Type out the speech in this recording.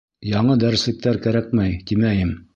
Яңы дәреслектәр кәрәкмәй, тимәйем.